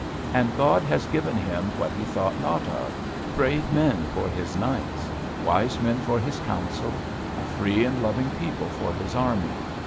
And God has given him what he thought not of: brave men for his knights; wise men for his council; a free and loving people for his army.